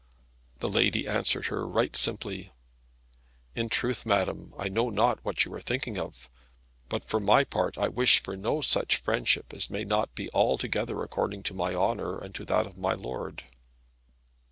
The lady answered right simply, "In truth, madam, I know not what you are thinking of; but for my part I wish for no such friendship as may not be altogether according to my honour and to that of my lord."